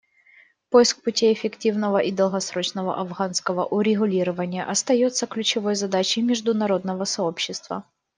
Поиск путей эффективного и долгосрочного афганского урегулирования остается ключевой задачей международного сообщества.